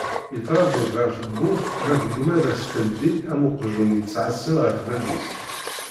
Yettraǧu-tt ɣer tewwurt ma tgumma ad as-teldi am uqjun yettɛassan ɣef bab-is.